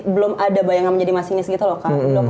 belum ada bayangan menjadi masinis gitu loh kak